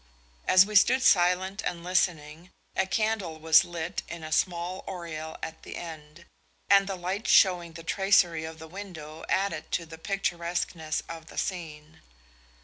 As we stood silent and listening, a candle was lit in a small oriel at the end, and the light showing the tracery of the window added to the picturesqueness of the scene.